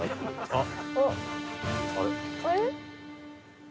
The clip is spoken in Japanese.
あっ！